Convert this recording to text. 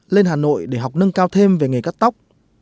lên hà nội để học nâng cao thêm về nghề cắt tóc